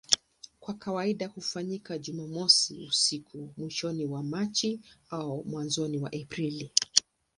Kwa kawaida hufanyika Jumamosi usiku mwishoni mwa Machi au mwanzoni mwa Aprili.